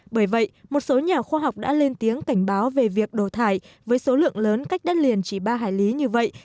bởi vậy một số nhà khoa học đã lên tiếng cảnh báo về việc đổ thải với số lượng lớn cách đất liền chỉ ba hải lý như vậy